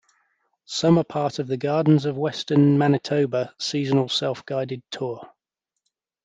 Some are part of the Gardens of Western Manitoba seasonal self-guided tour.